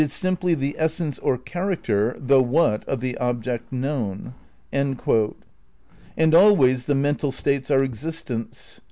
simply the essence or character (the what) of the object known." And always the mental states are existents.